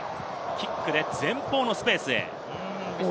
キックで前方のスペースへ。